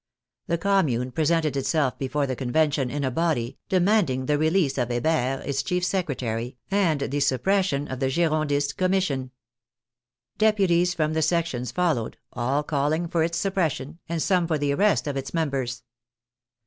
The Commune presented itself before the Convention in a body, demanding the release of Hebert, its chief secretary, and the suppression of the Girondist Commission. Deputies from the sections fol lowed, all calling for its suppression, and some for the arrest of its members.